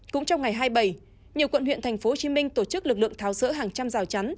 cũng trong ngày hai mươi bảy nhiều quận huyện tp hcm tổ chức lực lượng tháo rỡ hàng trăm rào chắn